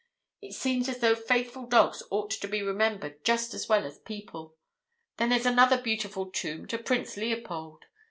It seems as though faithful dogs ought to be remembered just as well as people. Then there's another beautiful tomb to Prince Leopold.